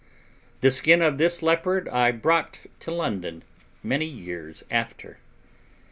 The skin of this leopard I brought to London many years after.